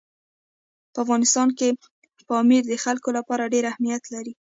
په افغانستان کې پامیر د خلکو لپاره ډېر اهمیت لري.